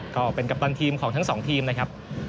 ก็เป็นกัปตันทีมของทั้งสองทีมนะครับ